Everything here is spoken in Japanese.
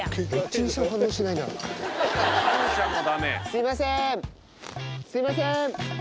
すいませんすいません！